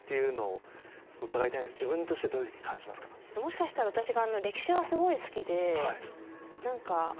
もしかしたら私が。